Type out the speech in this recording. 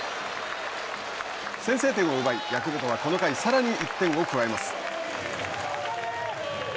先制点を奪いヤクルトはこの回さらに１点を加えます。